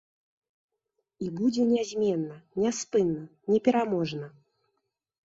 І будзе нязменна, няспынна, непераможна.